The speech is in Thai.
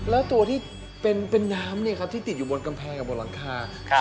แล้วตัวที่เป็นน้ำที่ติดอยู่บนกำแพงกับบนหลังคา